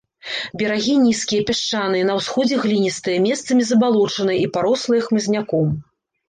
Берагі нізкія, пясчаныя, на ўсходзе гліністыя, месцамі забалочаныя і парослыя хмызняком.